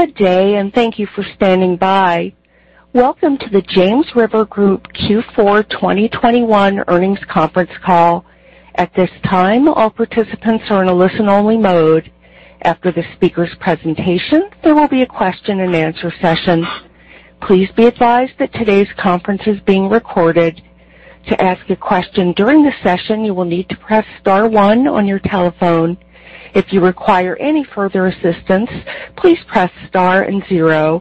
Good day. Thank you for standing by. Welcome to the James River Group Q4 2021 Earnings Conference Call. At this time, all participants are in a listen-only mode. After the speaker's presentation, there will be a question-and-answer session. Please be advised that today's conference is being recorded. To ask a question during the session, you will need to press star one on your telephone. If you require any further assistance, please press star and zero.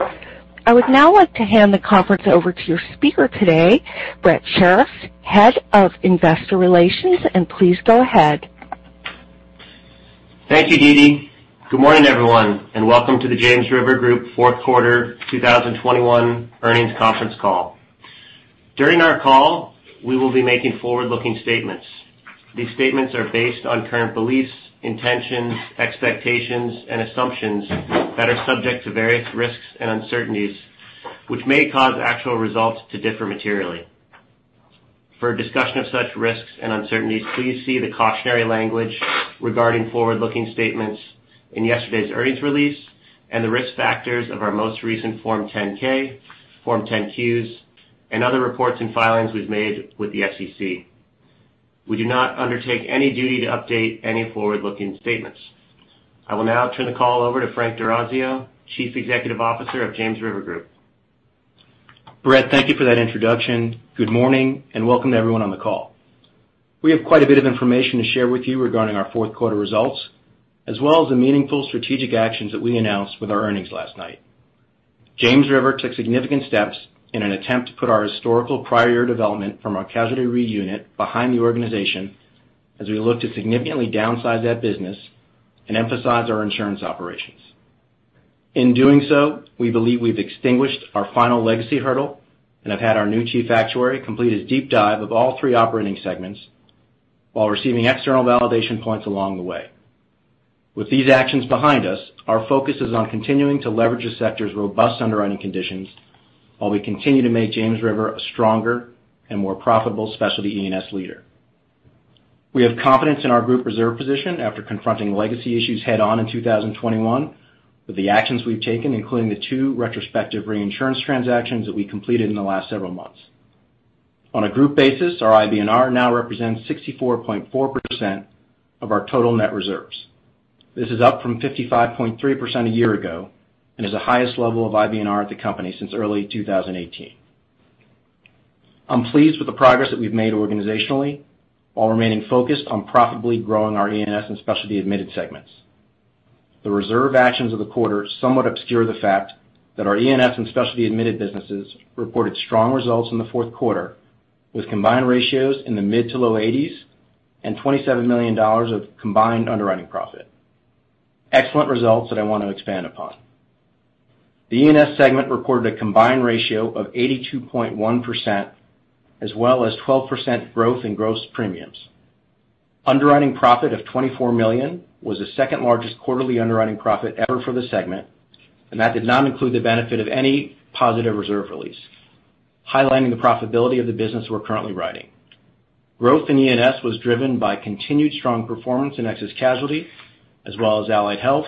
I would now like to hand the conference over to your speaker today, Brett Shirreffs, Head of Investor Relations. Please go ahead. Thank you, Dee Dee. Good morning, everyone, and welcome to the James River Group fourth quarter 2021 earnings conference call. During our call, we will be making forward-looking statements. These statements are based on current beliefs, intentions, expectations, and assumptions that are subject to various risks and uncertainties, which may cause actual results to differ materially. For a discussion of such risks and uncertainties, please see the cautionary language regarding forward-looking statements in yesterday's earnings release and the risk factors of our most recent Form 10-K, Form 10-Q, and other reports and filings we've made with the SEC. We do not undertake any duty to update any forward-looking statements. I will now turn the call over to Frank D'Orazio, Chief Executive Officer of James River Group. Brett, thank you for that introduction. Good morning. Welcome to everyone on the call. We have quite a bit of information to share with you regarding our fourth quarter results, as well as the meaningful strategic actions that we announced with our earnings last night. James River took significant steps in an attempt to put our historical prior year development from our casualty re unit behind the organization as we look to significantly downsize that business and emphasize our insurance operations. In doing so, we believe we've extinguished our final legacy hurdle and have had our new Chief Actuary complete his deep dive of all three operating segments while receiving external validation points along the way. With these actions behind us, our focus is on continuing to leverage the sector's robust underwriting conditions while we continue to make James River a stronger and more profitable specialty E&S leader. We have confidence in our group reserve position after confronting legacy issues head-on in 2021 with the actions we've taken, including the two retrospective reinsurance transactions that we completed in the last several months. On a group basis, our IBNR now represents 64.4% of our total net reserves. This is up from 55.3% a year ago and is the highest level of IBNR at the company since early 2018. I'm pleased with the progress that we've made organizationally while remaining focused on profitably growing our E&S and Specialty Admitted segments. The reserve actions of the quarter somewhat obscure the fact that our E&S and Specialty Admitted businesses reported strong results in the fourth quarter, with combined ratios in the mid to low 80s and $27 million of combined underwriting profit. Excellent results that I want to expand upon. The E&S segment reported a combined ratio of 82.1% as well as 12% growth in gross premiums. Underwriting profit of $24 million was the second-largest quarterly underwriting profit ever for the segment, and that did not include the benefit of any positive reserve release, highlighting the profitability of the business we're currently writing. Growth in E&S was driven by continued strong performance in excess casualty, as well as allied health,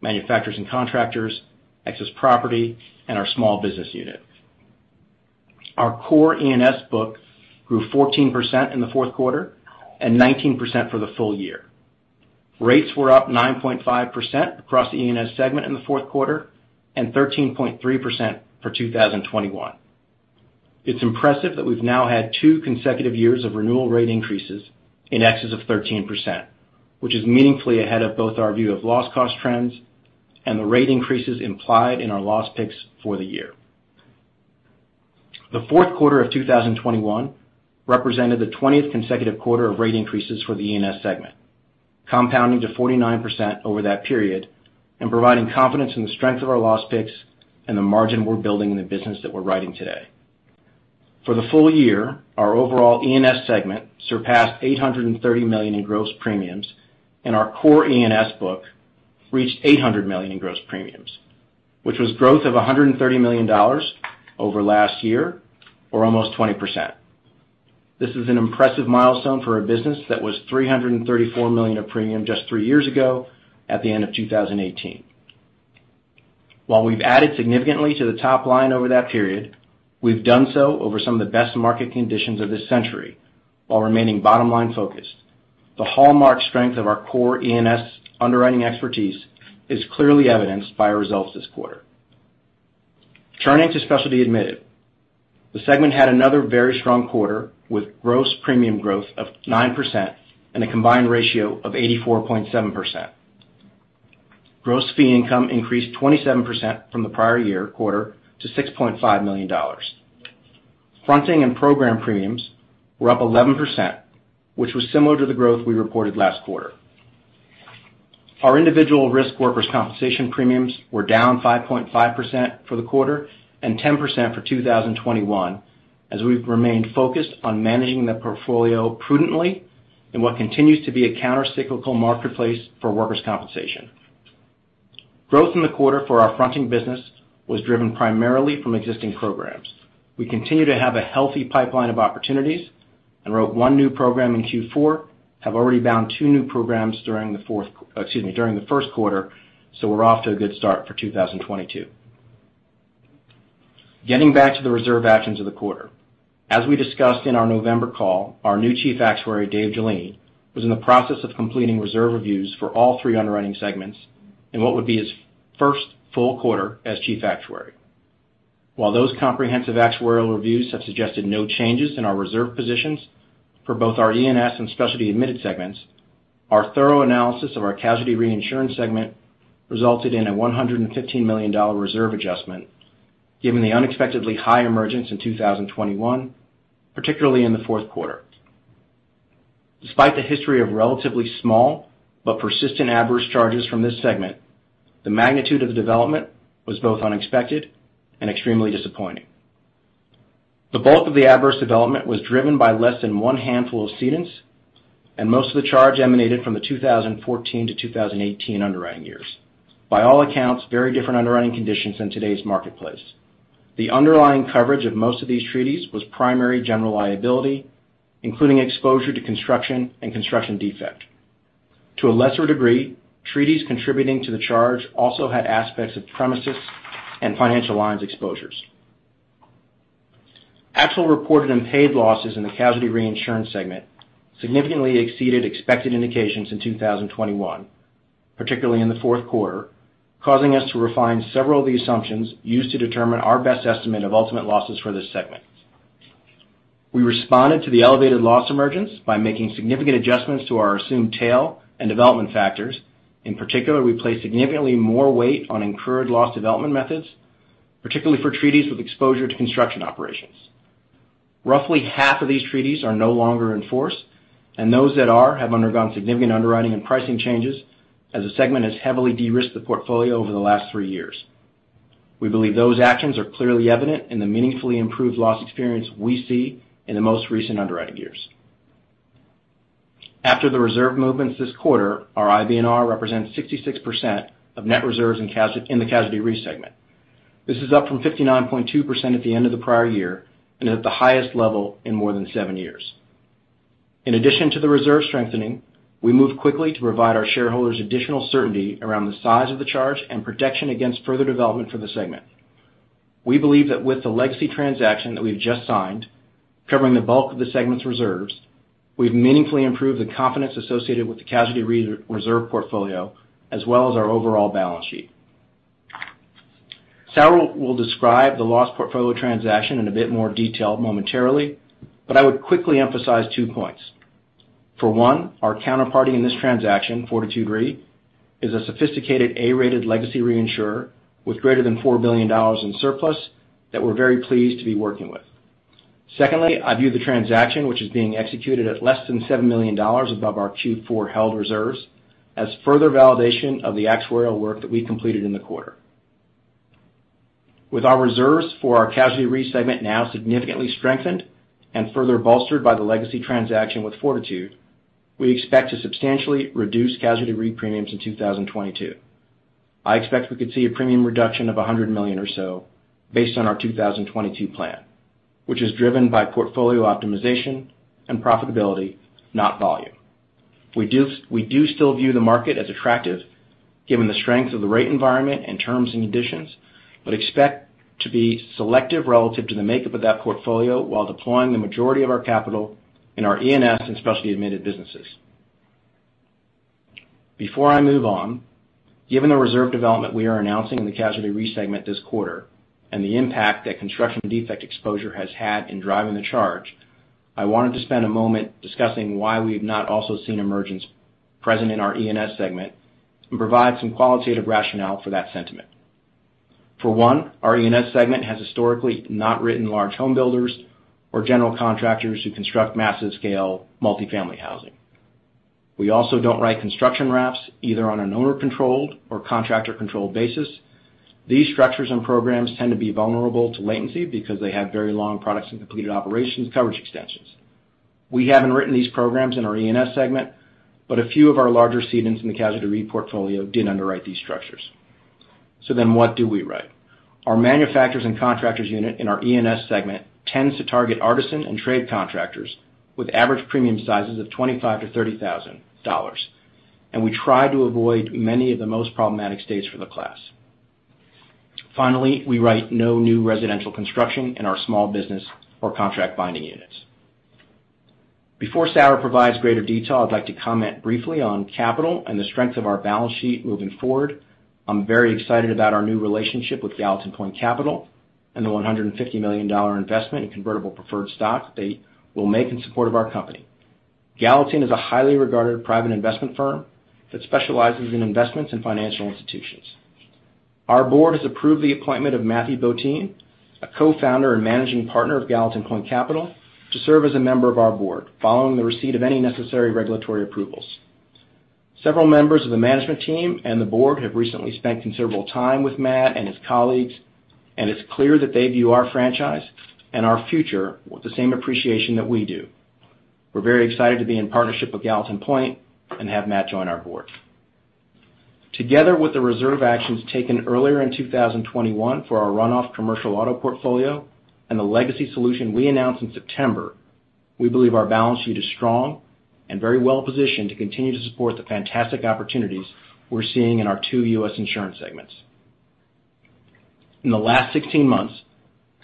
manufacturers and contractors, excess property, and our small business unit. Our core E&S book grew 14% in the fourth quarter and 19% for the full year. Rates were up 9.5% across the E&S segment in the fourth quarter and 13.3% for 2021. It's impressive that we've now had two consecutive years of renewal rate increases in excess of 13%, which is meaningfully ahead of both our view of loss cost trends and the rate increases implied in our loss picks for the year. The fourth quarter of 2021 represented the 20th consecutive quarter of rate increases for the E&S segment, compounding to 49% over that period and providing confidence in the strength of our loss picks and the margin we're building in the business that we're writing today. For the full year, our overall E&S segment surpassed $830 million in gross premiums, and our core E&S book reached $800 million in gross premiums, which was growth of $130 million over last year or almost 20%. This is an impressive milestone for a business that was $334 million of premium just three years ago at the end of 2018. While we've added significantly to the top line over that period, we've done so over some of the best market conditions of this century while remaining bottom-line focused. The hallmark strength of our core E&S underwriting expertise is clearly evidenced by our results this quarter. Turning to Specialty Admitted. The segment had another very strong quarter, with gross premium growth of 9% and a combined ratio of 84.7%. Gross fee income increased 27% from the prior year quarter to $6.5 million. Fronting and program premiums were up 11%, which was similar to the growth we reported last quarter. Our individual risk workers' compensation premiums were down 5.5% for the quarter and 10% for 2021, as we've remained focused on managing the portfolio prudently in what continues to be a countercyclical marketplace for workers' compensation. Growth in the quarter for our fronting business was driven primarily from existing programs. We continue to have a healthy pipeline of opportunities And wrote one new program in Q4, have already bound two new programs during the first quarter, so we're off to a good start for 2022. Getting back to the reserve actions of the quarter. As we discussed in our November call, our new chief actuary, Dave Gelinne, was in the process of completing reserve reviews for all three underwriting segments in what would be his first full quarter as chief actuary. While those comprehensive actuarial reviews have suggested no changes in our reserve positions for both our E&S and Specialty Admitted segments, our thorough analysis of our casualty reinsurance segment resulted in a $115 million reserve adjustment, given the unexpectedly high emergence in 2021, particularly in the fourth quarter. Despite the history of relatively small but persistent adverse charges from this segment, the magnitude of the development was both unexpected and extremely disappointing. The bulk of the adverse development was driven by less than one handful of cedants, and most of the charge emanated from the 2014-2018 underwriting years. By all accounts, very different underwriting conditions in today's marketplace. The underlying coverage of most of these treaties was primary general liability, including exposure to construction and construction defect. To a lesser degree, treaties contributing to the charge also had aspects of premises and financial lines exposures. Actual reported and paid losses in the casualty reinsurance segment significantly exceeded expected indications in 2021, particularly in the fourth quarter, causing us to refine several of the assumptions used to determine our best estimate of ultimate losses for this segment. We responded to the elevated loss emergence by making significant adjustments to our assumed tail and development factors. In particular, we placed significantly more weight on incurred loss development methods, particularly for treaties with exposure to construction operations. Roughly half of these treaties are no longer in force, and those that are have undergone significant underwriting and pricing changes as the segment has heavily de-risked the portfolio over the last three years. We believe those actions are clearly evident in the meaningfully improved loss experience we see in the most recent underwriting years. After the reserve movements this quarter, our IBNR represents 66% of net reserves in the casualty re segment. This is up from 59.2% at the end of the prior year and is at the highest level in more than seven years. In addition to the reserve strengthening, we moved quickly to provide our shareholders additional certainty around the size of the charge and protection against further development for the segment. We believe that with the legacy transaction that we've just signed, covering the bulk of the segment's reserves, we've meaningfully improved the confidence associated with the casualty reserve portfolio, as well as our overall balance sheet. Saurabh will describe the loss portfolio transaction in a bit more detail momentarily, but I would quickly emphasize two points. For one, our counterparty in this transaction, Fortitude Re, is a sophisticated A-rated legacy reinsurer with greater than $4 billion in surplus that we're very pleased to be working with. Secondly, I view the transaction, which is being executed at less than $7 million above our Q4 held reserves, as further validation of the actuarial work that we completed in the quarter. With our reserves for our casualty re segment now significantly strengthened and further bolstered by the legacy transaction with Fortitude, we expect to substantially reduce casualty re premiums in 2022. I expect we could see a premium reduction of $100 million or so based on our 2022 plan, which is driven by portfolio optimization and profitability, not volume. We do still view the market as attractive given the strength of the rate environment and terms and conditions, but expect to be selective relative to the makeup of that portfolio while deploying the majority of our capital in our E&S and Specialty Admitted businesses. Before I move on, given the reserve development we are announcing in the casualty re segment this quarter and the impact that construction defect exposure has had in driving the charge, I wanted to spend a moment discussing why we've not also seen emergence present in our E&S segment and provide some qualitative rationale for that sentiment. Our E&S segment has historically not written large home builders or general contractors who construct massive scale multi-family housing. We also don't write construction wraps either on an owner-controlled or contractor-controlled basis. These structures and programs tend to be vulnerable to latency because they have very long products and completed operations coverage extensions. We haven't written these programs in our E&S segment, but a few of our larger cedants in the casualty re portfolio did underwrite these structures. What do we write? Our manufacturers and contractors unit in our E&S segment tends to target artisan and trade contractors with average premium sizes of $25,000 to $30,000. We try to avoid many of the most problematic states for the class. Finally, we write no new residential construction in our small business or contract binding units. Before Saurabh provides greater detail, I'd like to comment briefly on capital and the strength of our balance sheet moving forward. I'm very excited about our new relationship with Gallatin Point Capital and the $150 million investment in convertible preferred stock they will make in support of our company. Gallatin is a highly regarded private investment firm that specializes in investments in financial institutions. Our board has approved the appointment of Matthew Botein, a Co-Founder and Managing Partner of Gallatin Point Capital, to serve as a member of our board, following the receipt of any necessary regulatory approvals. Several members of the management team and the board have recently spent considerable time with Matt and his colleagues, and it's clear that they view our franchise and our future with the same appreciation that we do. We're very excited to be in partnership with Gallatin Point and have Matt join our board. Together with the reserve actions taken earlier in 2021 for our runoff commercial auto portfolio and the legacy solution we announced in September, we believe our balance sheet is strong and very well-positioned to continue to support the fantastic opportunities we're seeing in our two U.S. insurance segments. In the last 16 months,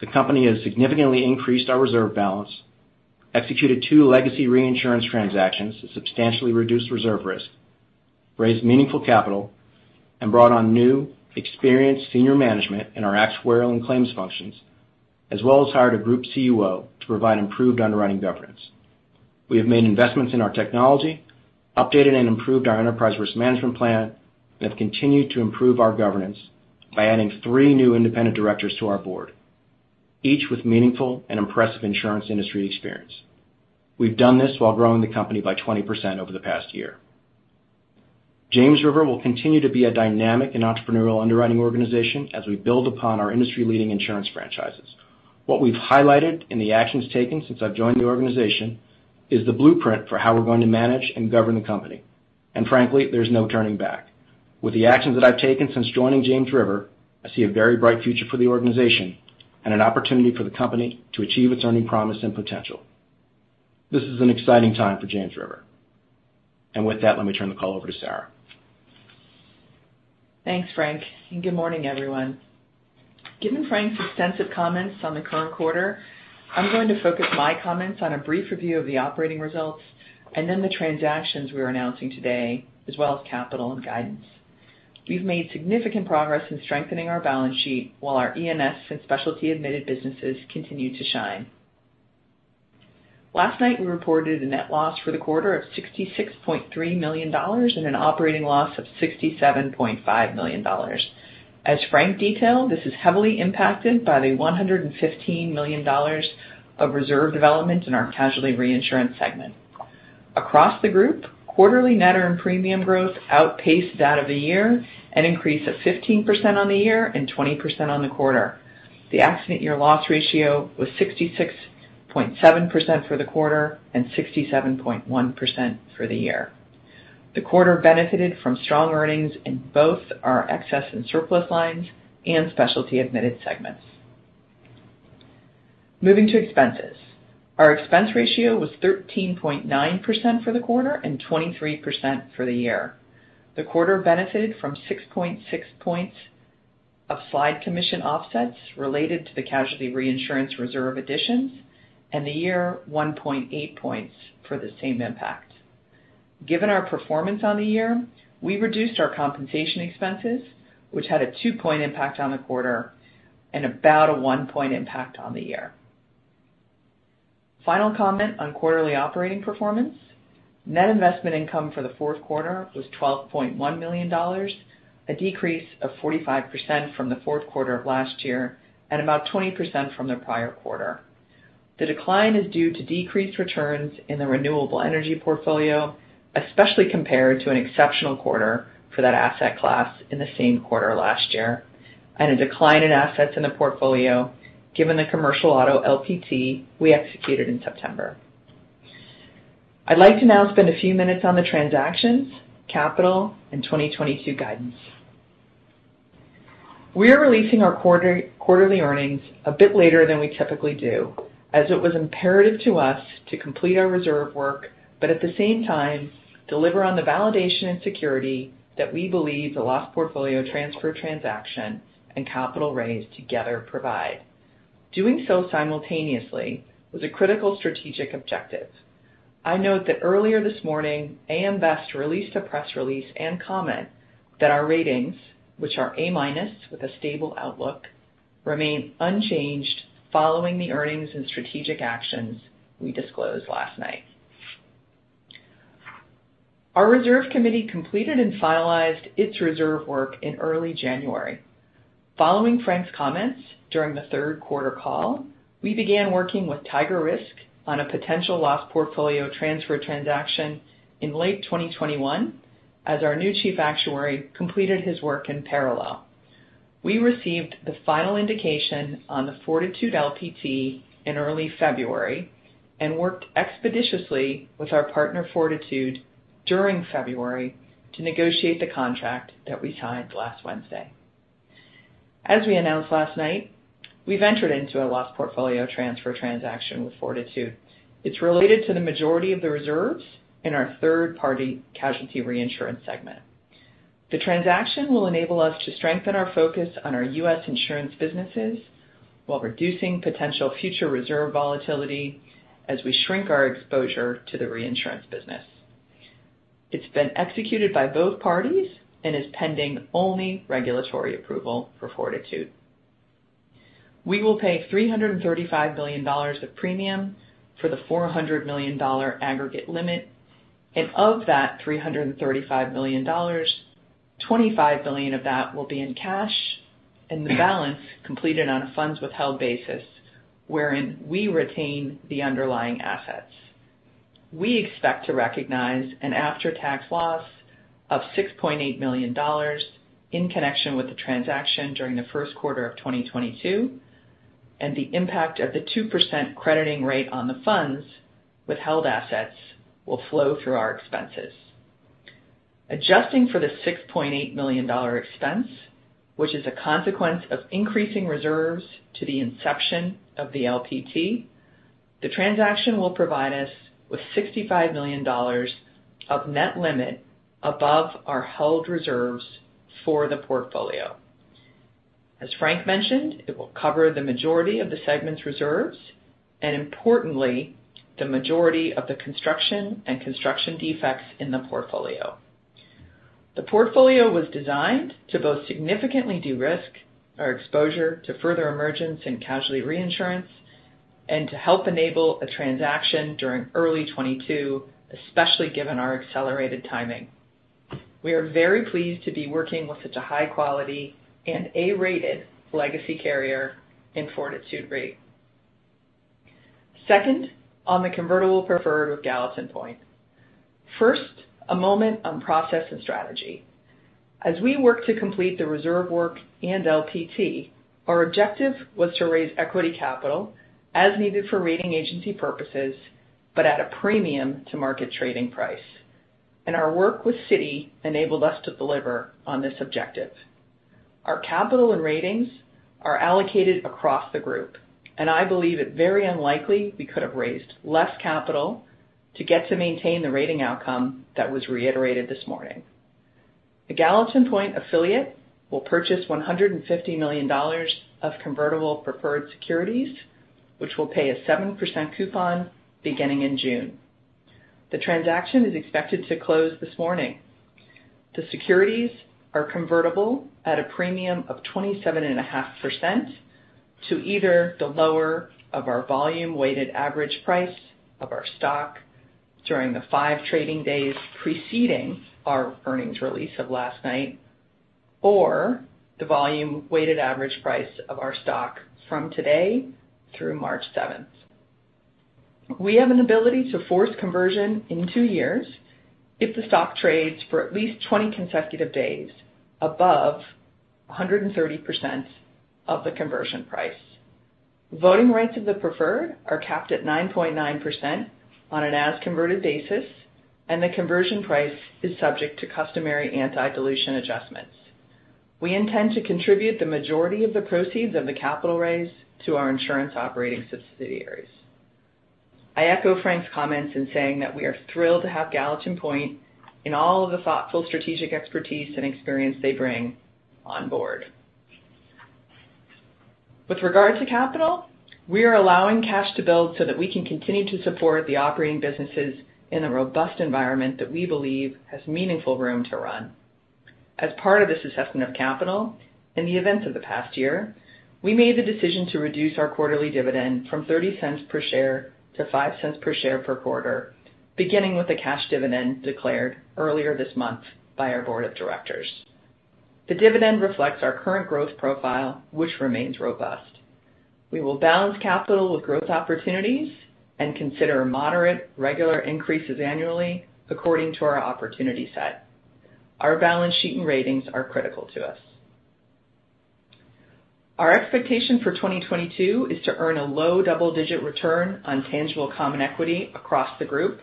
the company has significantly increased our reserve balance, executed two legacy reinsurance transactions that substantially reduced reserve risk, raised meaningful capital, and brought on new, experienced senior management in our actuarial and claims functions, as well as hired a group COO to provide improved underwriting governance. We have made investments in our technology, updated and improved our enterprise risk management plan, and have continued to improve our governance by adding three new independent directors to our board, each with meaningful and impressive insurance industry experience. We've done this while growing the company by 20% over the past year. James River will continue to be a dynamic and entrepreneurial underwriting organization as we build upon our industry-leading insurance franchises. What we've highlighted in the actions taken since I've joined the organization is the blueprint for how we're going to manage and govern the company. Frankly, there's no turning back. With the actions that I've taken since joining James River, I see a very bright future for the organization and an opportunity for the company to achieve its earning promise and potential. This is an exciting time for James River. With that, let me turn the call over to Sarah. Thanks, Frank. Good morning, everyone. Given Frank's extensive comments on the current quarter, I'm going to focus my comments on a brief review of the operating results, then the transactions we're announcing today, as well as capital and guidance. We've made significant progress in strengthening our balance sheet while our E&S and Specialty Admitted businesses continue to shine. Last night, we reported a net loss for the quarter of $66.3 million and an operating loss of $67.5 million. As Frank detailed, this is heavily impacted by the $115 million of reserve development in our casualty reinsurance segment. Across the group, quarterly net earned premium growth outpaced that of the year, an increase of 15% on the year and 20% on the quarter. The accident year loss ratio was 66.7% for the quarter and 67.1% for the year. The quarter benefited from strong earnings in both our Excess and Surplus Lines and Specialty Admitted segments. Moving to expenses. Our expense ratio was 13.9% for the quarter and 23% for the year. The quarter benefited from 6.6 points of slide commission offsets related to the casualty reinsurance reserve additions and the year 1.8 points for the same impact. Given our performance on the year, we reduced our compensation expenses, which had a two-point impact on the quarter and about a one-point impact on the year. Final comment on quarterly operating performance. Net investment income for the fourth quarter was $12.1 million, a decrease of 45% from the fourth quarter of last year and about 20% from the prior quarter. The decline is due to decreased returns in the renewable energy portfolio, especially compared to an exceptional quarter for that asset class in the same quarter last year, and a decline in assets in the portfolio, given the commercial auto LPT we executed in September. I'd like to now spend a few minutes on the transactions, capital, and 2022 guidance. We are releasing our quarterly earnings a bit later than we typically do, as it was imperative to us to complete our reserve work, at the same time, deliver on the validation and security that we believe the loss portfolio transfer transaction and capital raise together provide. Doing so simultaneously was a critical strategic objective. I note that earlier this morning, AM Best released a press release and comment that our ratings, which are A- with a stable outlook, remain unchanged following the earnings and strategic actions we disclosed last night. Our reserve committee completed and finalized its reserve work in early January. Following Frank's comments during the third quarter call, we began working with TigerRisk on a potential loss portfolio transfer transaction in late 2021, as our new chief actuary completed his work in parallel. We received the final indication on the Fortitude Re LPT in early February and worked expeditiously with our partner, Fortitude Re, during February to negotiate the contract that we signed last Wednesday. As we announced last night, we've entered into a loss portfolio transfer transaction with Fortitude Re. It's related to the majority of the reserves in our third-party casualty reinsurance segment. The transaction will enable us to strengthen our focus on our U.S. insurance businesses while reducing potential future reserve volatility as we shrink our exposure to the reinsurance business. It's been executed by both parties and is pending only regulatory approval for Fortitude Re. We will pay $335 million of premium for the $400 million aggregate limit. Of that $335 million, $25 million of that will be in cash, and the balance completed on a funds withheld basis, wherein we retain the underlying assets. We expect to recognize an after-tax loss of $6.8 million in connection with the transaction during the first quarter of 2022, and the impact of the 2% crediting rate on the funds withheld assets will flow through our expenses. Adjusting for the $6.8 million expense, which is a consequence of increasing reserves to the inception of the LPT, the transaction will provide us with $65 million of net limit above our held reserves for the portfolio. As Frank mentioned, it will cover the majority of the segment's reserves, and importantly, the majority of the construction and construction defects in the portfolio. The portfolio was designed to both significantly de-risk our exposure to further emergence in casualty reinsurance and to help enable a transaction during early 2022, especially given our accelerated timing. We are very pleased to be working with such a high quality and A-rated legacy carrier in Fortitude Re. Second, on the convertible preferred with Gallatin Point. First, a moment on process and strategy. As we work to complete the reserve work and LPT, our objective was to raise equity capital as needed for rating agency purposes, but at a premium to market trading price. Our work with Citi enabled us to deliver on this objective. Our capital and ratings are allocated across the group, and I believe it very unlikely we could have raised less capital to get to maintain the rating outcome that was reiterated this morning. The Gallatin Point affiliate will purchase $150 million of convertible preferred securities, which will pay a 7% coupon beginning in June. The transaction is expected to close this morning. The securities are convertible at a premium of 27.5% to either the lower of our volume-weighted average price of our stock during the five trading days preceding our earnings release of last night, or the volume-weighted average price of our stock from today through March 7th. We have an ability to force conversion in two years if the stock trades for at least 20 consecutive days above 130% of the conversion price. Voting rights of the preferred are capped at 9.9% on an as-converted basis, and the conversion price is subject to customary anti-dilution adjustments. We intend to contribute the majority of the proceeds of the capital raise to our insurance operating subsidiaries. I echo Frank's comments in saying that we are thrilled to have Gallatin Point and all of the thoughtful strategic expertise and experience they bring on board. With regard to capital, we are allowing cash to build so that we can continue to support the operating businesses in a robust environment that we believe has meaningful room to run. As part of this assessment of capital, in the events of the past year, we made the decision to reduce our quarterly dividend from $0.30 per share to $0.05 per share per quarter, beginning with the cash dividend declared earlier this month by our board of directors. The dividend reflects our current growth profile, which remains robust. We will balance capital with growth opportunities and consider moderate, regular increases annually according to our opportunity set. Our balance sheet and ratings are critical to us. Our expectation for 2022 is to earn a low double-digit return on tangible common equity across the group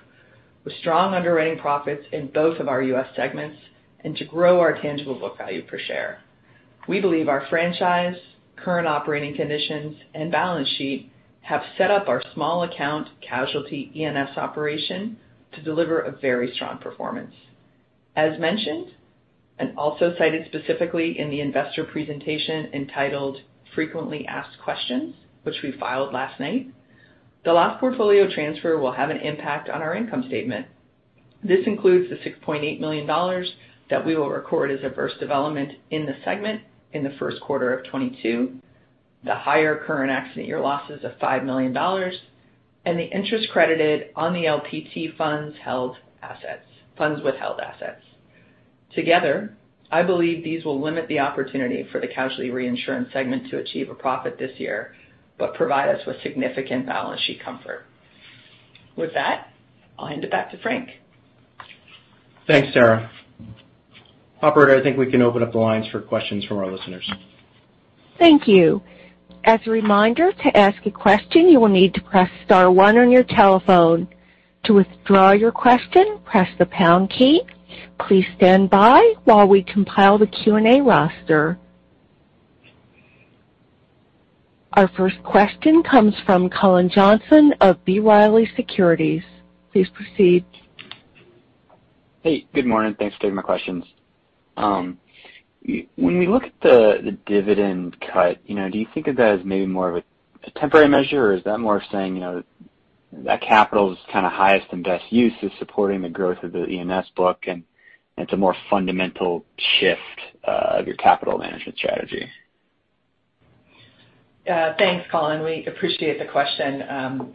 with strong underwriting profits in both of our U.S. segments and to grow our tangible book value per share. We believe our franchise, current operating conditions, and balance sheet have set up our small account casualty E&S operation to deliver a very strong performance. As mentioned, and also cited specifically in the investor presentation entitled Frequently Asked Questions, which we filed last night, the loss portfolio transfer will have an impact on our income statement. This includes the $6.8 million that we will record as adverse development in the segment in the first quarter of 2022, the higher current accident year losses of $5 million, and the interest credited on the LPT funds withheld assets. Together, I believe these will limit the opportunity for the casualty reinsurance segment to achieve a profit this year but provide us with significant balance sheet comfort. With that, I'll hand it back to Frank. Thanks, Sarah. Operator, I think we can open up the lines for questions from our listeners. Thank you. As a reminder, to ask a question, you will need to press star one on your telephone. To withdraw your question, press the pound key. Please stand by while we compile the Q&A roster. Our first question comes from Cullen Johnson of B. Riley Securities. Please proceed. Hey, good morning. Thanks for taking my questions. When we look at the dividend cut, do you think of that as maybe more of a temporary measure, or is that more of saying that capital's kind of highest and best use is supporting the growth of the E&S book and it's a more fundamental shift of your capital management strategy? Thanks, Cullen. We appreciate the question.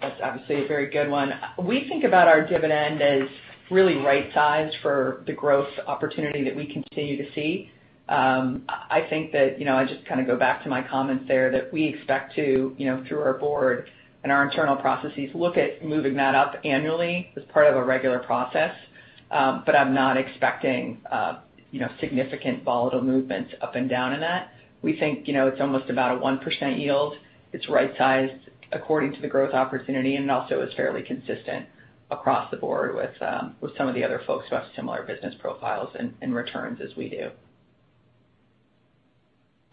That's obviously a very good one. We think about our dividend as really right-sized for the growth opportunity that we continue to see. I think that, I just kind of go back to my comments there, that we expect to, through our board and our internal processes, look at moving that up annually as part of a regular process. I'm not expecting significant volatile movements up and down in that. We think it's almost about a 1% yield. It's right-sized according to the growth opportunity, and it also is fairly consistent across the board with some of the other folks who have similar business profiles and returns as we do.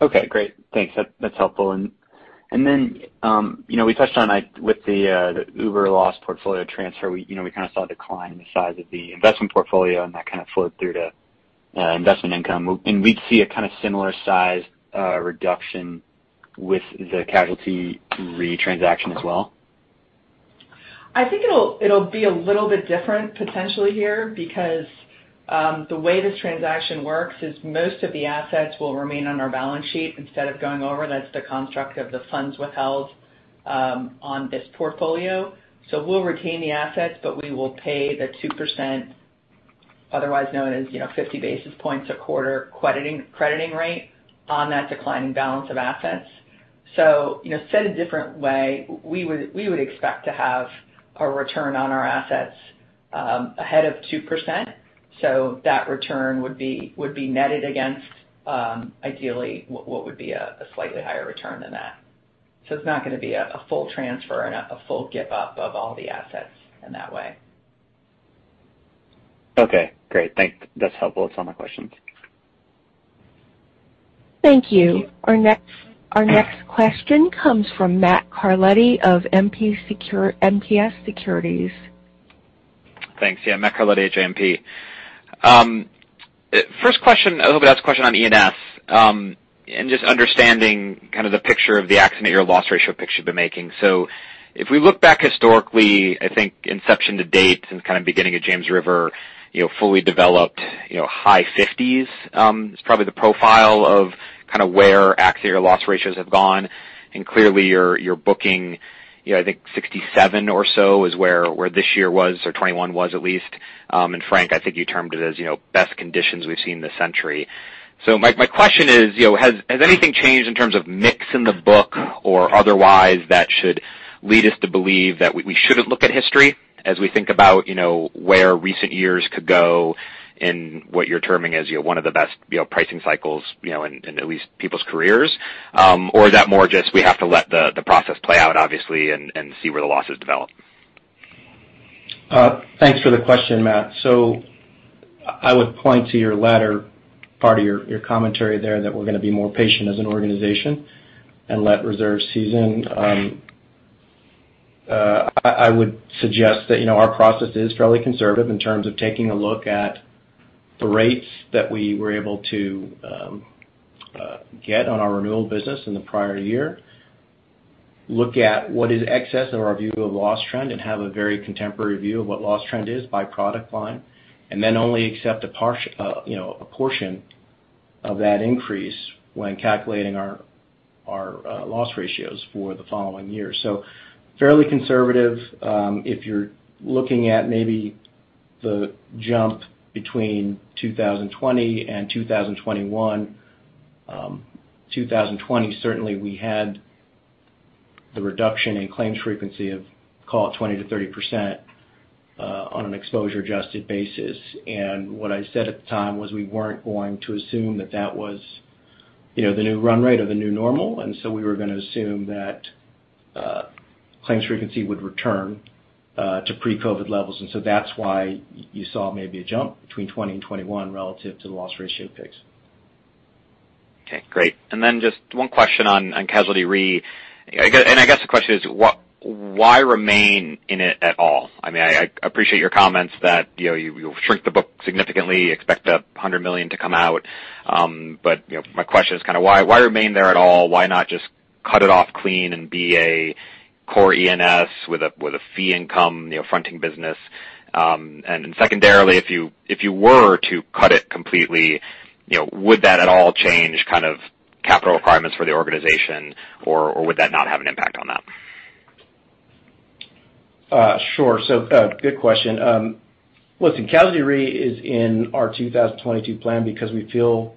Okay, great. Thanks. That's helpful. We touched on, with the Uber loss portfolio transfer, we saw a decline in the size of the investment portfolio, and that kind of flowed through to investment income. We'd see a similar size reduction with the casualty re-transaction as well? I think it'll be a little bit different potentially here, because the way this transaction works is most of the assets will remain on our balance sheet instead of going over. That's the construct of the funds withheld on this portfolio. We'll retain the assets, but we will pay the 2%, otherwise known as 50 basis points a quarter crediting rate on that declining balance of assets. Said a different way, we would expect to have a return on our assets ahead of 2%. That return would be netted against, ideally, what would be a slightly higher return than that. It's not going to be a full transfer and a full give up of all the assets in that way. Okay, great. Thanks. That's helpful. That's all my questions. Thank you. Our next question comes from Matthew Carletti of JMP Securities. Thanks. Yeah, Matt Carletti, JMP. First question, I hope to ask a question on E&S, just understanding the picture of the accident year loss ratio picture been making. If we look back historically, I think inception to date, since kind of beginning of James River, fully developed, high 50s is probably the profile of where accident year loss ratios have gone. Clearly you're booking, I think 67 or so is where this year was, or 2021 was at least. Frank, I think you termed it as best conditions we've seen this century. My question is, has anything changed in terms of mix in the book or otherwise that should lead us to believe that we shouldn't look at history as we think about where recent years could go and what you're terming as one of the best pricing cycles, in at least people's careers? Is that more just we have to let the process play out, obviously, and see where the losses develop? Thanks for the question, Matt. I would point to your latter part of your commentary there, that we're going to be more patient as an organization and let reserve season. I would suggest that our process is fairly conservative in terms of taking a look at the rates that we were able to get on our renewal business in the prior year, look at what is excess in our view of the loss trend, and have a very contemporary view of what loss trend is by product line, then only accept a portion of that increase when calculating our loss ratios for the following year. Fairly conservative. If you're looking at maybe the jump between 2020 and 2021. 2020, certainly we had the reduction in claims frequency of, call it, 20%-30% on an exposure adjusted basis. What I said at the time was we weren't going to assume that that was the new run rate or the new normal. We were going to assume that claims frequency would return to pre-COVID levels. That's why you saw maybe a jump between 2020 and 2021 relative to the loss ratio picks. Okay, great. Just one question on casualty re. I guess the question is why remain in it at all? I appreciate your comments that you'll shrink the book significantly, expect $100 million to come out. My question is why remain there at all? Why not just cut it off clean and be a core E&S with a fee income, fronting business? Secondarily, if you were to cut it completely, would that at all change capital requirements for the organization? Would that not have an impact on that? Sure. Good question. Listen, casualty re is in our 2022 plan because we feel,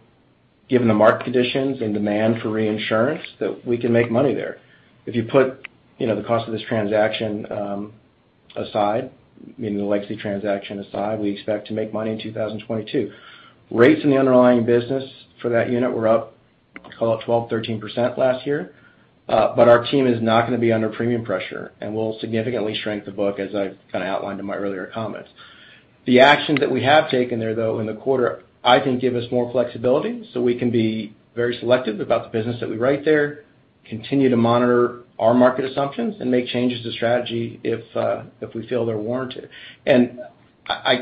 given the market conditions and demand for reinsurance, that we can make money there. If you put the cost of this transaction aside, meaning the legacy transaction aside, we expect to make money in 2022. Rates in the underlying business for that unit were up, call it, 12%, 13% last year. Our team is not going to be under premium pressure, and we'll significantly shrink the book as I've outlined in my earlier comments. The actions that we have taken there, though, in the quarter, I think give us more flexibility so we can be very selective about the business that we write there, continue to monitor our market assumptions, and make changes to strategy if we feel they're warranted. I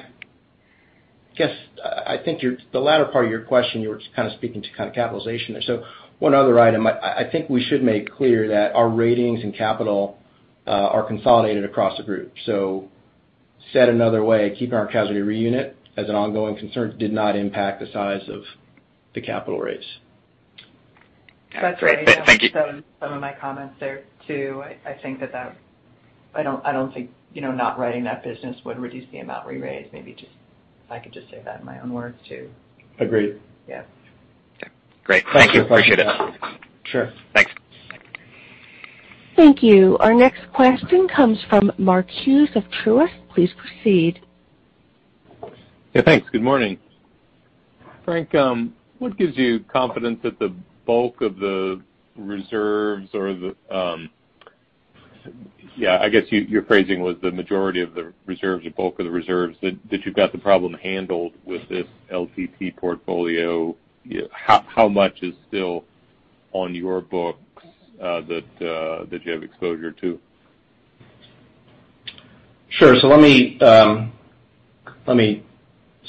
guess, I think the latter part of your question, you were speaking to capitalization there. One other item, I think we should make clear that our ratings and capital are consolidated across the group. Said another way, keeping our casualty re unit as an ongoing concern did not impact the size of the capital raise. That's great. Thank you. Some of my comments there, too. I don't think not writing that business would reduce the amount we raise. Maybe if I could just say that in my own words, too. Agreed. Yeah. Okay, great. Thank you. Appreciate it. Sure. Thanks. Thank you. Our next question comes from Mark Hughes of Truist. Please proceed. Thanks. Good morning. Frank, what gives you confidence that the bulk of the reserves or I guess your phrasing was the majority of the reserves, the bulk of the reserves, that you've got the problem handled with this LPT portfolio. How much is still on your books that you have exposure to? Sure. Let me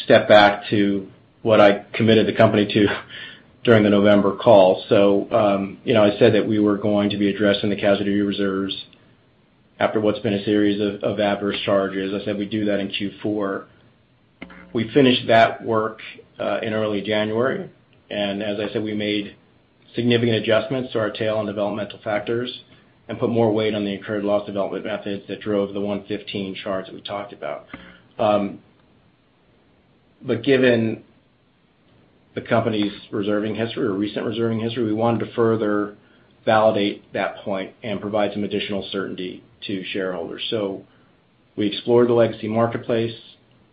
step back to what I committed the company to during the November call. I said that we were going to be addressing the casualty reserves after what's been a series of adverse charges. I said we'd do that in Q4. We finished that work in early January, and as I said, we made significant adjustments to our tail and developmental factors and put more weight on the incurred loss development methods that drove the 115 charge that we talked about. Given the company's reserving history or recent reserving history, we wanted to further validate that point and provide some additional certainty to shareholders. We explored the legacy marketplace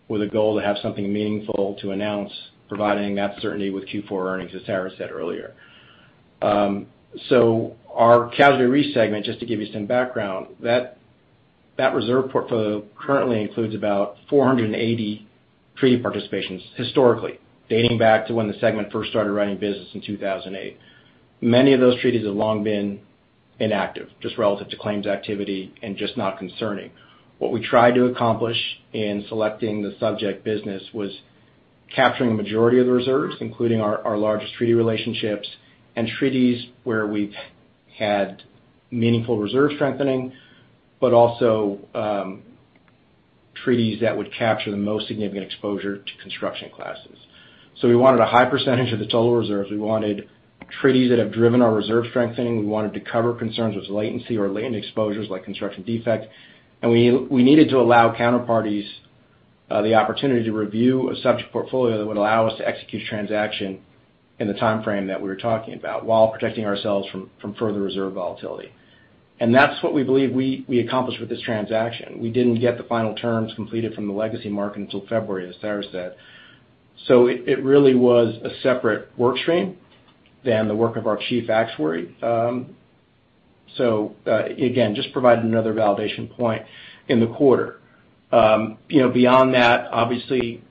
with a goal to have something meaningful to announce, providing that certainty with Q4 earnings, as Sarah said earlier. Our Casualty Re segment, just to give you some background, that reserve portfolio currently includes about 480 treaty participations historically, dating back to when the segment first started writing business in 2008. Many of those treaties have long been inactive, just relative to claims activity and just not concerning. What we tried to accomplish in selecting the subject business was capturing the majority of the reserves, including our largest treaty relationships and treaties where we've had meaningful reserve strengthening, but also treaties that would capture the most significant exposure to construction classes. We wanted a high percentage of the total reserves. We wanted treaties that have driven our reserve strengthening. We wanted to cover concerns with latency or latent exposures like construction defect. We needed to allow counterparties the opportunity to review a subject portfolio that would allow us to execute transaction in the timeframe that we were talking about while protecting ourselves from further reserve volatility. That's what we believe we accomplished with this transaction. We didn't get the final terms completed from the legacy market until February, as Sarah said. It really was a separate work stream than the work of our chief actuary. Again, just provided another validation point in the quarter. Beyond that, obviously,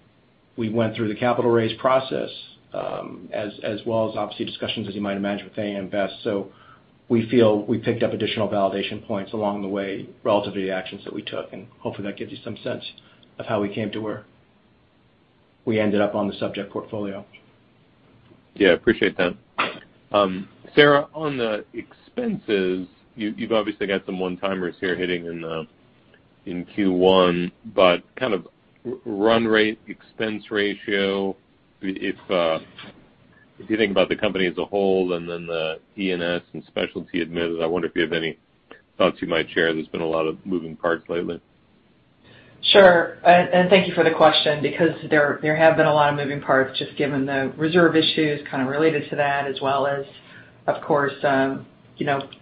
we went through the capital raise process, as well as obviously discussions, as you might imagine, with AM Best. We feel we picked up additional validation points along the way relative to the actions that we took, and hopefully that gives you some sense of how we came to where we ended up on the subject portfolio. Yeah, appreciate that. Sarah, on the expenses, you've obviously got some one-timers here hitting in Q1, kind of run rate expense ratio, if you think about the company as a whole and then the E&S and Specialty Admitted, I wonder if you have any thoughts you might share. There's been a lot of moving parts lately. Sure. Thank you for the question, because there have been a lot of moving parts just given the reserve issues kind of related to that, as well as, of course,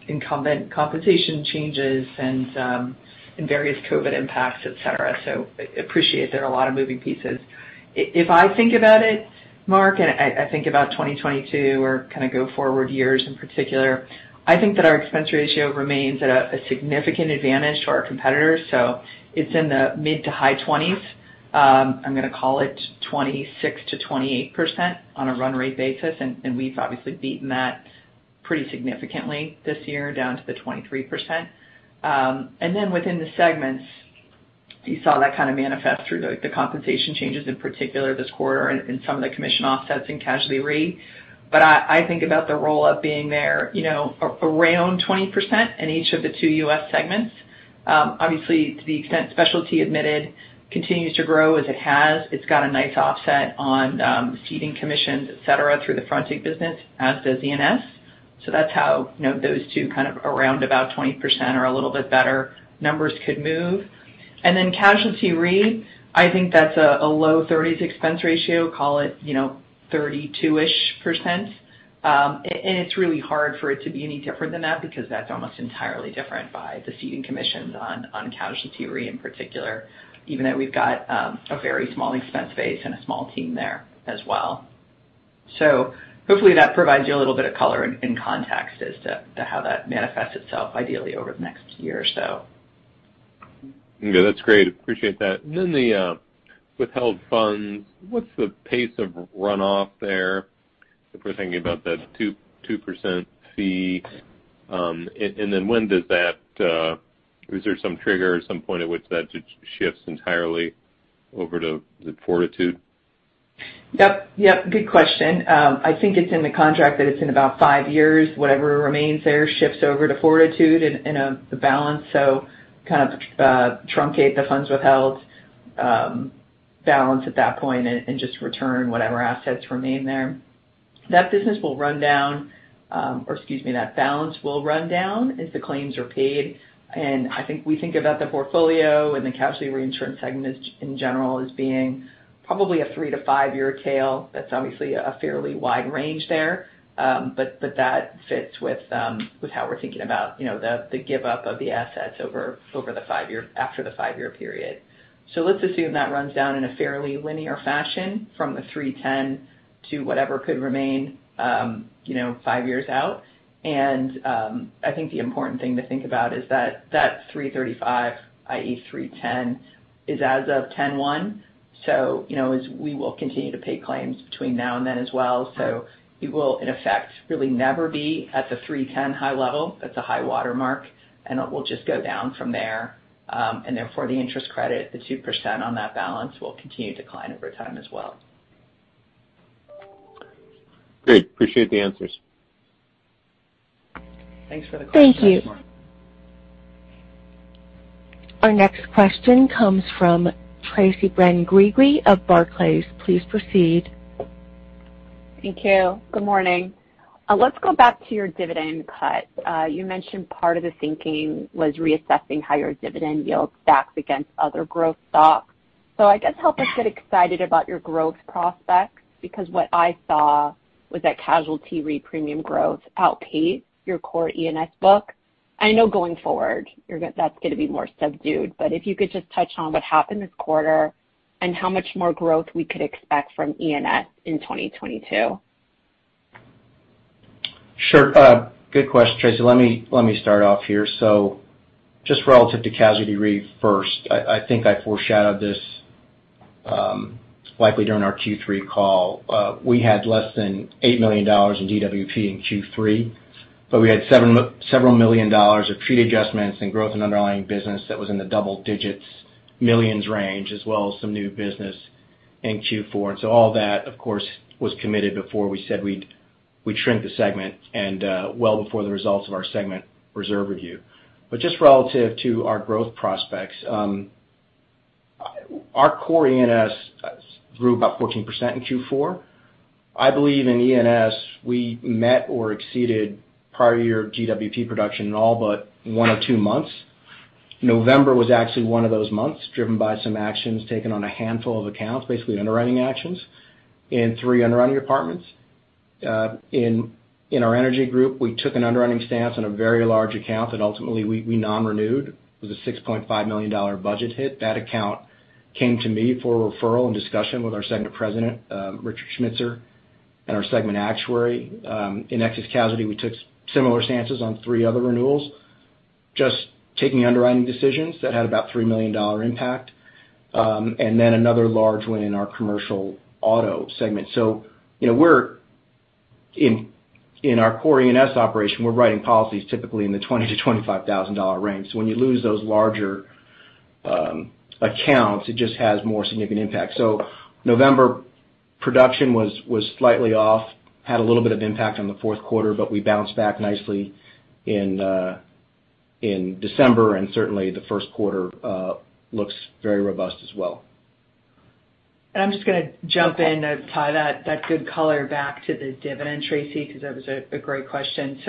incumbent compensation changes and various COVID impacts, et cetera. Appreciate there are a lot of moving pieces. If I think about it, Mark, and I think about 2022 or kind of go forward years in particular, I think that our expense ratio remains at a significant advantage to our competitors. It's in the mid to high 20s. I'm going to call it 26%-28% on a run rate basis, and we've obviously beaten that pretty significantly this year down to the 23%. Then within the segments, you saw that kind of manifest through the compensation changes in particular this quarter and some of the commission offsets in Casualty Re. I think about the roll-up being there around 20% in each of the two U.S. segments. Obviously, to the extent Specialty Admitted continues to grow as it has, it's got a nice offset on ceding commissions, et cetera, through the fronting business, as does E&S. That's how those two kind of around about 20% or a little bit better numbers could move. Then Casualty Re, I think that's a low 30s expense ratio, call it 32-ish%. It's really hard for it to be any different than that because that's almost entirely different by the ceding commissions on Casualty Re in particular, even though we've got a very small expense base and a small team there as well. Hopefully that provides you a little bit of color and context as to how that manifests itself ideally over the next year or so. Okay. That's great. Appreciate that. Then the withheld funds, what's the pace of runoff there if we're thinking about that 2% fee? Is there some trigger or some point at which that shifts entirely over to Fortitude? Yep. Good question. I think it's in the contract that it's in about five years, whatever remains there shifts over to Fortitude in a balance. Kind of truncate the funds withheld balance at that point and just return whatever assets remain there. That business will run down, or excuse me, that balance will run down as the claims are paid. I think we think about the portfolio and the casualty reinsurance segment in general as being probably a three to five-year tail. That's obviously a fairly wide range there. That fits with how we're thinking about the give up of the assets after the five-year period. Let's assume that runs down in a fairly linear fashion from the $310 to whatever could remain five years out. I think the important thing to think about is that that $335, i.e., $310, is as of 10/1. As we will continue to pay claims between now and then as well, so we will in effect, really never be at the $310 high level. That's a high watermark, and it will just go down from there. Therefore, the interest credit, the 2% on that balance, will continue to decline over time as well. Great. Appreciate the answers. Thanks for the question, Mark. Thank you. Our next question comes from Tracy Chigbuh of Barclays. Please proceed. Thank you. Good morning. Let's go back to your dividend cut. You mentioned part of the thinking was reassessing how your dividend yield stacks against other growth stocks. I guess help us get excited about your growth prospects, because what I saw was that casualty re-premium growth outpaced your core E&S book. I know going forward that is going to be more subdued, but if you could just touch on what happened this quarter and how much more growth we could expect from E&S in 2022. Sure. Good question, Tracy. Let me start off here. Just relative to casualty re first, I think I foreshadowed this likely during our Q3 call. We had less than $8 million in GWP in Q3, but we had several million dollars of treat adjustments and growth in underlying business that was in the double digits millions range, as well as some new business in Q4. All that, of course, was committed before we said we would shrink the segment and well before the results of our segment reserve review. Just relative to our growth prospects, our core E&S grew about 14% in Q4. I believe in E&S we met or exceeded prior year GWP production in all but one or two months. November was actually one of those months, driven by some actions taken on a handful of accounts, basically underwriting actions in three underwriting departments. In our energy group, we took an underwriting stance on a very large account that ultimately we non-renewed. It was a $6.5 million budget hit. That account came to me for a referral and discussion with our segment president, Richard Schmitzer, and our segment actuary. In excess casualty, we took similar stances on three other renewals, just taking underwriting decisions that had about $3 million impact. Another large one in our commercial auto segment. In our core E&S operation, we are writing policies typically in the $20,000 to $25,000 range. When you lose those larger accounts, it just has more significant impact. November production was slightly off, had a little bit of impact on the fourth quarter, but we bounced back nicely in December, and certainly the first quarter looks very robust as well. I'm just going to jump in to tie that good color back to the dividend, Tracy, because that was a great question.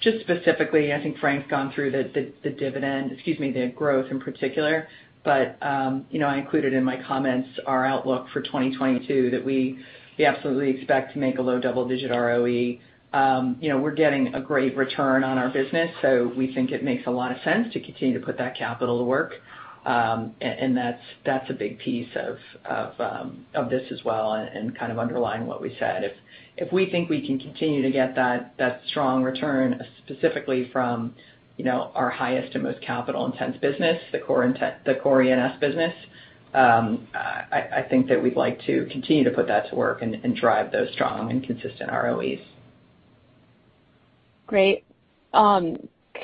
Just specifically, I think Frank's gone through the dividend, excuse me, the growth in particular. I included in my comments our outlook for 2022 that we absolutely expect to make a low double-digit ROE. We're getting a great return on our business, so we think it makes a lot of sense to continue to put that capital to work. That's a big piece of this as well and kind of underlying what we said. If we think we can continue to get that strong return specifically from our highest and most capital-intense business, the core E&S business, I think that we'd like to continue to put that to work and drive those strong and consistent ROEs. Great.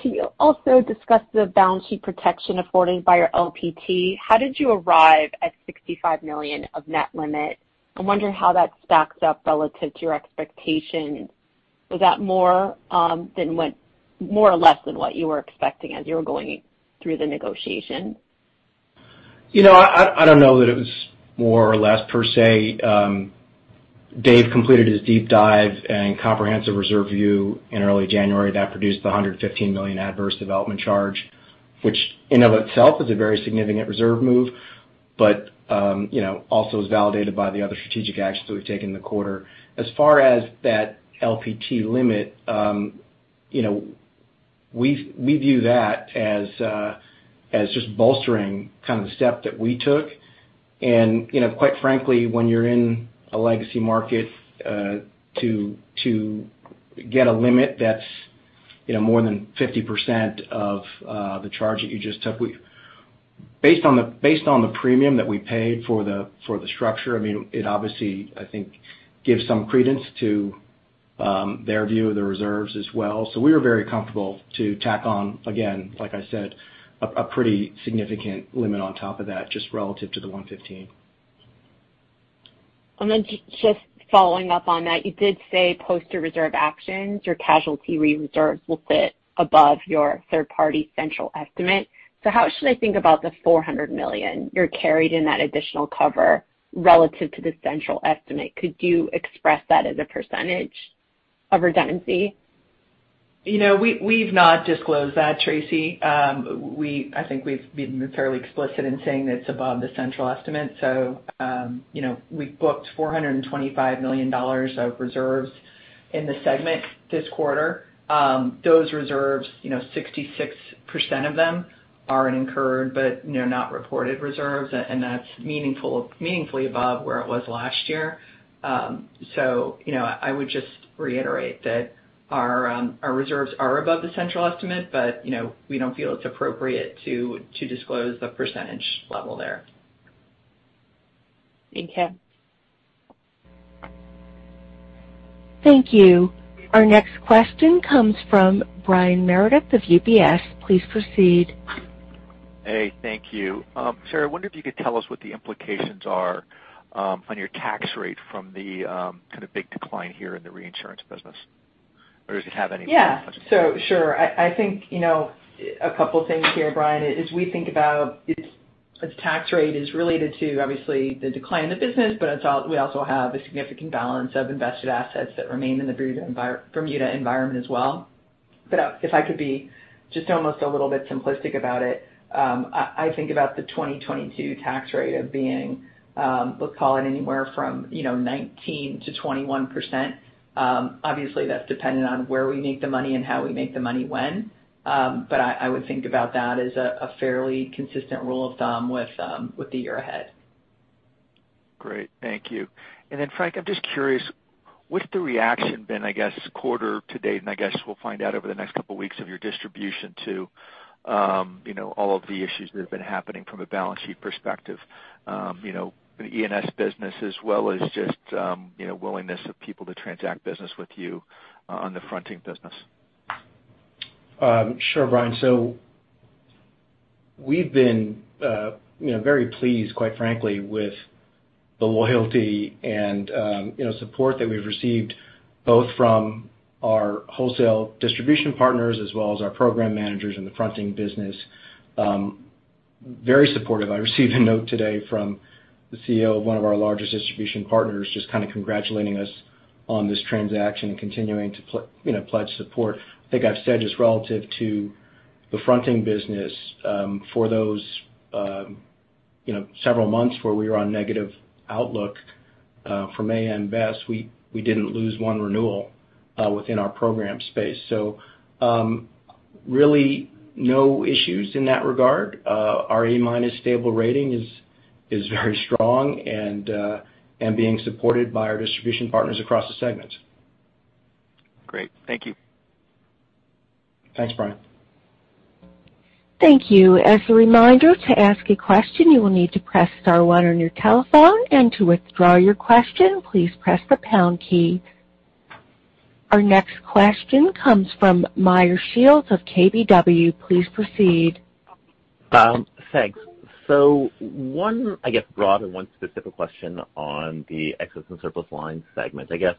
Can you also discuss the balance sheet protection afforded by your LPT? How did you arrive at $65 million of net limit? I'm wondering how that stacks up relative to your expectations. Was that more or less than what you were expecting as you were going through the negotiation? I don't know that it was more or less per se. Dave completed his deep dive and comprehensive reserve review in early January that produced the $115 million adverse development charge, which in and of itself is a very significant reserve move. Also is validated by the other strategic actions that we've taken in the quarter. As far as that LPT limit, we view that as just bolstering kind of the step that we took. Quite frankly, when you're in a legacy market, to get a limit that's more than 50% of the charge that you just took, based on the premium that we paid for the structure, it obviously, I think, gives some credence to their view of the reserves as well. We were very comfortable to tack on, again, like I said, a pretty significant limit on top of that, just relative to the 115. Just following up on that, you did say post your reserve actions, your casualty re-reserves will sit above your third-party central estimate. How should I think about the $400 million you're carried in that additional cover relative to the central estimate? Could you express that as a percentage of redundancy? We've not disclosed that, Tracy. I think we've been fairly explicit in saying that it's above the central estimate. We've booked $425 million of reserves in the segment this quarter. Those reserves, 66% of them are incurred, but not reported reserves, and that's meaningfully above where it was last year. I would just reiterate that our reserves are above the central estimate, but we don't feel it's appropriate to disclose the percentage level there. Thank you. Thank you. Our next question comes from Brian Meredith of UBS. Please proceed. Hey, thank you. Sarah, I wonder if you could tell us what the implications are on your tax rate from the big decline here in the reinsurance business, or does it have any implications? Sure. I think a couple things here, Brian, as we think about its tax rate is related to obviously the decline in the business, but we also have a significant balance of invested assets that remain in the Bermuda environment as well. If I could be just almost a little bit simplistic about it, I think about the 2022 tax rate of being, let's call it anywhere from 19%-21%. Obviously, that's dependent on where we make the money and how we make the money when. I would think about that as a fairly consistent rule of thumb with the year ahead. Great. Thank you. Frank, I'm just curious, what's the reaction been, I guess, quarter to date, and I guess we'll find out over the next couple of weeks of your distribution too, all of the issues that have been happening from a balance sheet perspective. The E&S business as well as just willingness of people to transact business with you on the fronting business. Sure, Brian. We've been very pleased, quite frankly, with the loyalty and support that we've received, both from our wholesale distribution partners as well as our program managers in the fronting business. Very supportive. I received a note today from the CEO of one of our largest distribution partners just congratulating us on this transaction and continuing to pledge support. I think I've said just relative to the fronting business, for those several months where we were on negative outlook from AM Best, we didn't lose one renewal within our program space. Really no issues in that regard. Our A-minus stable rating is very strong and being supported by our distribution partners across the segments. Great. Thank you. Thanks, Brian. Thank you. As a reminder, to ask a question, you will need to press star one on your telephone, and to withdraw your question, please press the pound key. Our next question comes from Meyer Shields of KBW. Please proceed. Thanks. One, I guess broad and one specific question on the Excess and Surplus Lines segment. I guess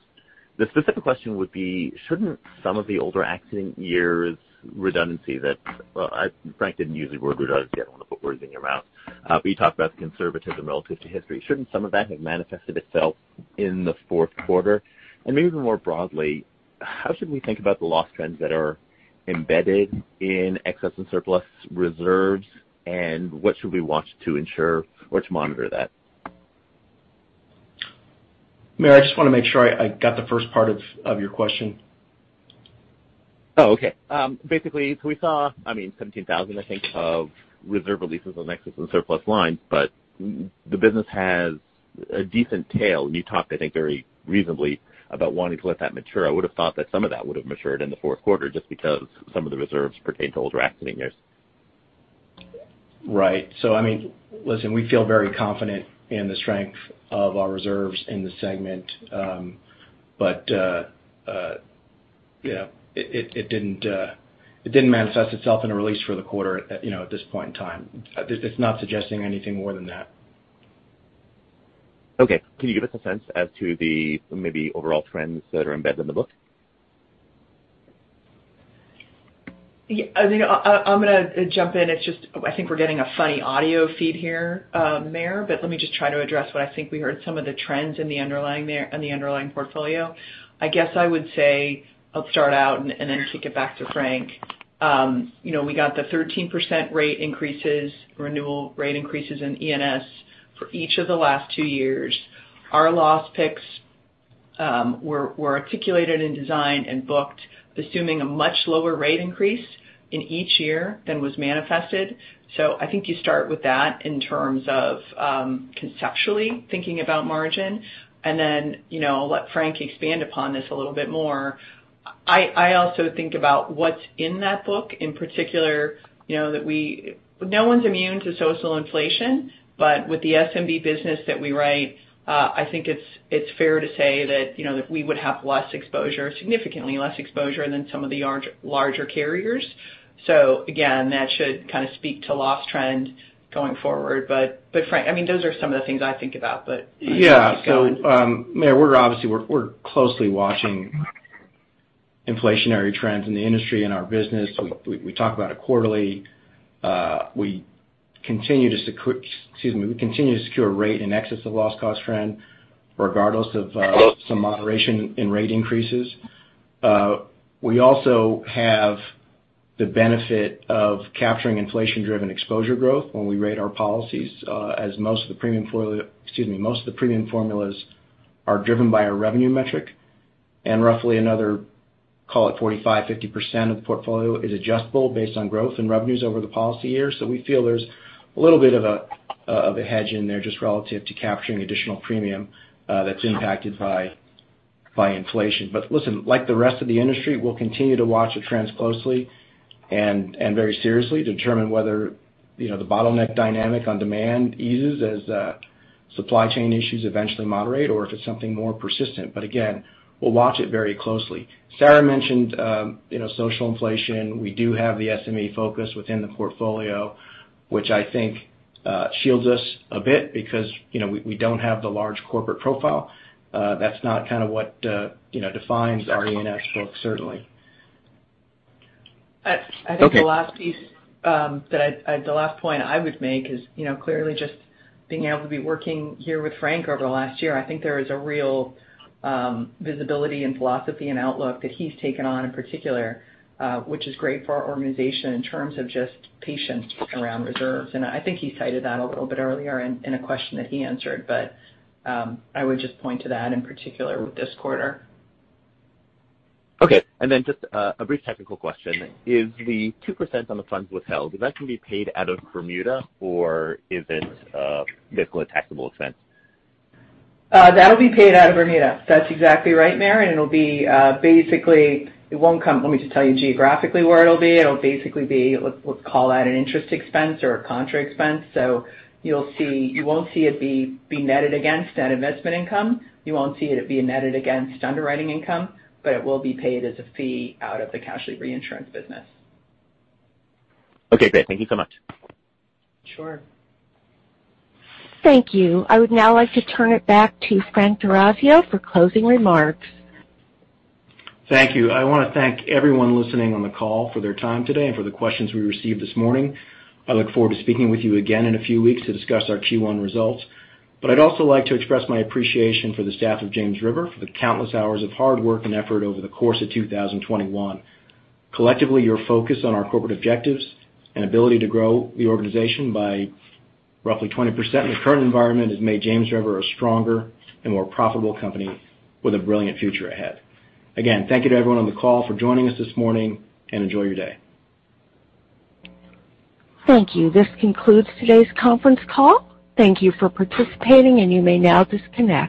the specific question would be, shouldn't some of the older accident years redundancy that. Well, Frank didn't use the word redundancy. I don't want to put words in your mouth. But you talked about the conservatism relative to history. Shouldn't some of that have manifested itself in the fourth quarter? Maybe even more broadly, how should we think about the loss trends that are embedded in Excess and Surplus Lines reserves, and what should we watch to ensure or to monitor that? Meyer, I just want to make sure I got the first part of your question. Basically, we saw, $17,000, I think, of reserve releases on Excess and Surplus Lines, the business has a decent tail. You talked, I think, very reasonably about wanting to let that mature. I would've thought that some of that would've matured in the fourth quarter just because some of the reserves pertain to older accident years. Right. Listen, we feel very confident in the strength of our reserves in the segment. Yeah, it didn't manifest itself in a release for the quarter, at this point in time. It's not suggesting anything more than that. Okay. Can you give us a sense as to the maybe overall trends that are embedded in the book? Yeah. I'm going to jump in. It's just, I think we're getting a funny audio feed here, Meyer. Let me just try to address what I think we heard some of the trends on the underlying portfolio. I guess I would say, I'll start out and kick it back to Frank. We got the 13% rate increases, renewal rate increases in E&S for each of the last two years. Our loss picks were articulated and designed and booked assuming a much lower rate increase in each year than was manifested. I think you start with that in terms of conceptually thinking about margin. I'll let Frank expand upon this a little bit more. I also think about what's in that book. In particular, no one's immune to social inflation. With the SMB business that we write, I think it's fair to say that we would have less exposure, significantly less exposure than some of the larger carriers. Again, that should speak to loss trend going forward. Frank, those are some of the things I think about. Yeah. Meyer, we're closely watching inflationary trends in the industry and our business. We talk about it quarterly. Continue to secure rate in excess of loss cost trend, regardless of some moderation in rate increases. We also have the benefit of capturing inflation-driven exposure growth when we rate our policies, as most of the premium formulas are driven by our revenue metric, and roughly another, call it 45%-50% of the portfolio is adjustable based on growth and revenues over the policy year. We feel there's a little bit of a hedge in there just relative to capturing additional premium that's impacted by inflation. Listen, like the rest of the industry, we'll continue to watch the trends closely and very seriously determine whether the bottleneck dynamic on demand eases as supply chain issues eventually moderate or if it's something more persistent. Again, we'll watch it very closely. Sarah mentioned social inflation. We do have the SME focus within the portfolio, which I think shields us a bit because we don't have the large corporate profile. That's not kind of what defines our E&S book, certainly. I think the last point I would make is clearly just being able to be working here with Frank over the last year, I think there is a real visibility in philosophy and outlook that he's taken on in particular, which is great for our organization in terms of just patience around reserves. I think he cited that a little bit earlier in a question that he answered. I would just point to that in particular with this quarter. Okay, just a brief technical question. Is the 2% on the funds withheld, would that be paid out of Bermuda or is it basically a taxable event? That'll be paid out of Bermuda. That's exactly right, Meyer. Let me just tell you geographically where it'll be. It'll basically be, we'll call that an interest expense or a contra expense. You won't see it be netted against an investment income. You won't see it be netted against underwriting income, but it will be paid as a fee out of the casualty reinsurance business. Okay, great. Thank you so much. Sure. Thank you. I would now like to turn it back to Frank D'Orazio for closing remarks. Thank you. I want to thank everyone listening on the call for their time today and for the questions we received this morning. I look forward to speaking with you again in a few weeks to discuss our Q1 results. I'd also like to express my appreciation for the staff of James River for the countless hours of hard work and effort over the course of 2021. Collectively, your focus on our corporate objectives and ability to grow the organization by roughly 20% in the current environment has made James River a stronger and more profitable company with a brilliant future ahead. Again, thank you to everyone on the call for joining us this morning, and enjoy your day. Thank you. This concludes today's conference call. Thank you for participating, and you may now disconnect.